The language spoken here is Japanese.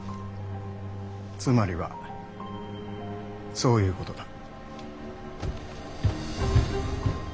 つまりはそういうことだ。